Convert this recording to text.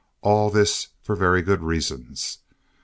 All this for very good reasons.